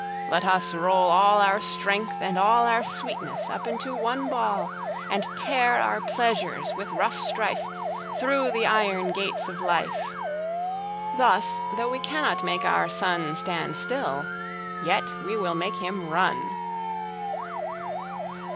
Let us roll all our Strength, and allOur sweetness, up into one Ball:And tear our Pleasures with rough strife, Thorough the Iron gates of Life.Thus, though we cannot make our SunStand still, yet we will make him run.